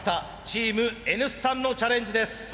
チームＮ産のチャレンジです。